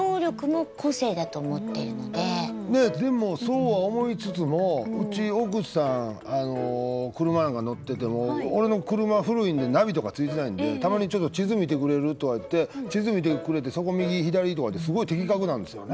でもそうは思いつつもうち奥さん車なんか乗ってても俺の車古いんでナビとかついてないんでたまに「ちょっと地図見てくれる？」とか言って地図見てくれて「そこ右左」とかってすごい的確なんですよね。